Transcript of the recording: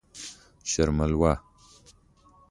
شر ملوه.